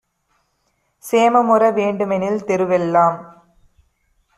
சேமமுற வேண்டுமெனில் தெருவெல்லாம்